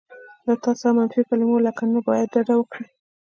له "تاسو" او منفي کلیمو لکه "نه باید" ډډه وکړئ.